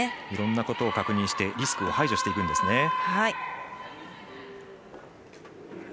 いろんなことを確認してリスクを排除しているんですね。